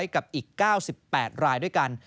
กับอีก๙๘รายด้วยกัน